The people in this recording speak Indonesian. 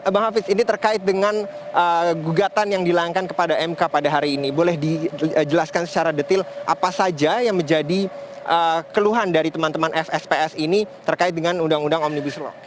bang hafiz ini terkait dengan gugatan yang dilangkan kepada mk pada hari ini boleh dijelaskan secara detil apa saja yang menjadi keluhan dari teman teman fsps ini terkait dengan undang undang omnibus law